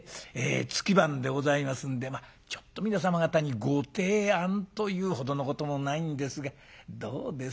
月番でございますんでちょっと皆様方にご提案というほどのこともないんですがどうです？